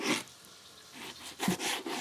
네 행동은 네 습관이 된다.